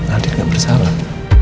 andin nggak bersalah